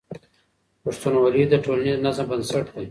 پښتونولي د ټولنیز نظم بنسټ دی.